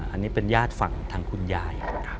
อันนี้เป็นญาติฝั่งทางคุณยาย